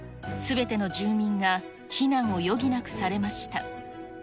すべての住民が避難を余儀なくされました。